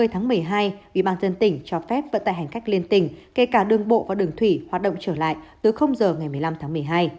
một mươi tháng một mươi hai ubnd cho phép vận tải hành khách liên tỉnh kể cả đường bộ và đường thủy hoạt động trở lại từ giờ ngày một mươi năm tháng một mươi hai